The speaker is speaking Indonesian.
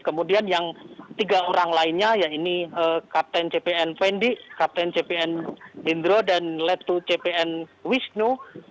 kemudian yang tiga orang lainnya ya ini kapten cpn fendi kapten cpn hindro dan letu cpn wisnu